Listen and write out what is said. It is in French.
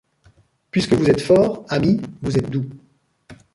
Puisque vous êtes forts, amis, vous êtes doux.